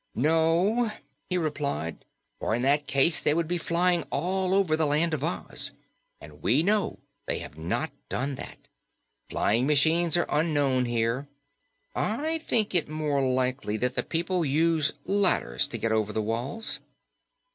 "No," he replied, "for in that case they would be flying all over the Land of Oz, and we know they have not done that. Flying machines are unknown here. I think it more likely that the people use ladders to get over the walls."